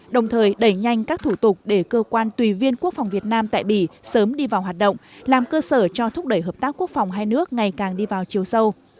đồng thời đẩy nhanh các thủ tục để cơ quan tùy viên quốc phòng việt nam tại bỉ sớm đi vào hoạt động làm cơ sở cho thúc đẩy hợp tác quốc phòng hai nước ngày càng đi vào chiều sâu